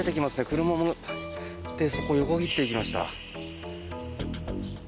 車も来てそこを横切っていきました。